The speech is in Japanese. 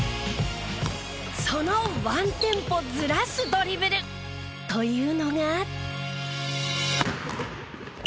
そのワンテンポずらすドリブルというのが。